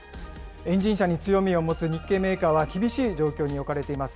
エンジン車に強みを持つ日系メーカーは厳しい状況に置かれています。